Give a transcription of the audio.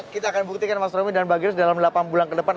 kita akan buktikan mas romi dan mbak gras dalam delapan bulan ke depan